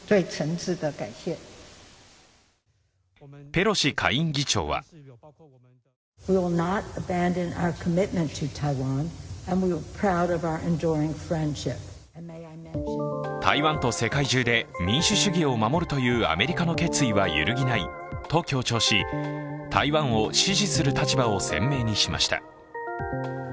ペロシ下院議長は台湾と世界中で民主主義を守るというアメリカの決意は揺るぎないと強調し、台湾を支持する立場を鮮明にしました。